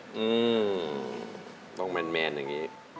หืมตรงแมนอย่างนี้